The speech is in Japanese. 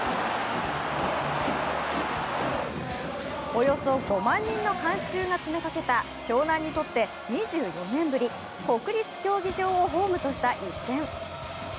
およそ５万人の観衆が詰めかけた湘南にとって２４年ぶり、国立競技場をホームとした一戦。